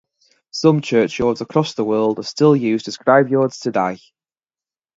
Some churchyards across the world are still used as graveyards today.